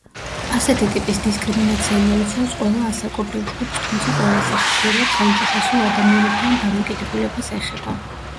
ასეთი ტიპის დისკრიმინაცია მოიცავს ყველა ასაკობრივ ჯგუფს, თუმცა ყველაზე ხშირად ხანშიშესულ ადამიანებთან დამოკიდებულებას ეხება.